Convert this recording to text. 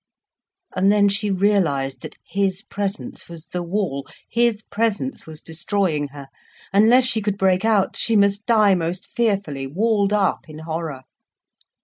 And then she realised that his presence was the wall, his presence was destroying her. Unless she could break out, she must die most fearfully, walled up in horror.